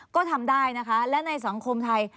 ก็ทำได้นะคะและในสังคมไทย